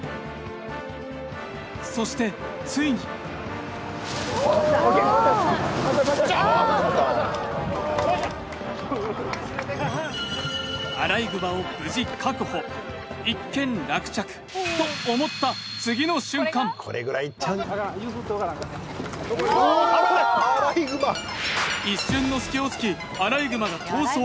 そして、ついにアライグマを無事確保、一件落着と思った次の瞬間一瞬の隙を突きアライグマが逃走。